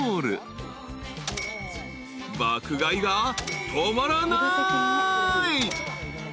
［爆買いが止まらない］